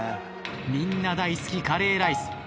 みんな大好きカレーライス。